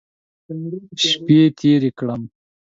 شپې تېرې کړم.